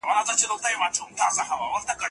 کله یو ټولنه د خپلو وګړو د هڅو قدرداني کوي؟